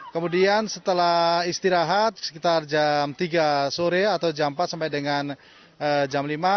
kemudian setelah istirahat sekitar jam tiga sore atau jam empat sampai dengan jam lima